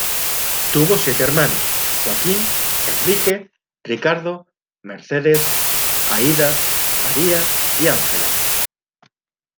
Tuvo siete hermanos: Joaquín, Enrique, Ricardo, Mercedes, Aída, María y Ángela.